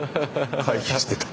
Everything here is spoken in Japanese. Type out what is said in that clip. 回避してた。